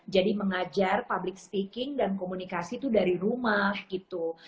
jadi mengajar public speaking dan komunikasi itu dari rumah gitu